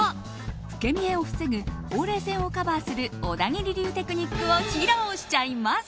老け見えを防ぐほうれい線をカバーする小田切流テクニックを披露しちゃいます。